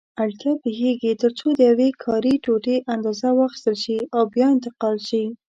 اړتیا پېښېږي ترڅو د یوې کاري ټوټې اندازه واخیستل شي او بیا انتقال شي.